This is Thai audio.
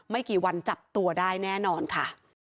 กี่วันจับตัวได้แน่นอนค่ะ